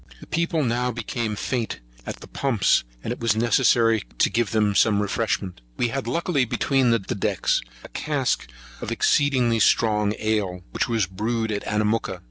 The people now became faint at the pumps, and it was necessary to give them some refreshment. We had luckily between decks a cask of excellent strong ale, which we brewed at Anamooka.